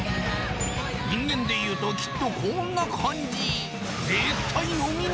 人間でいうときっとこんな感じ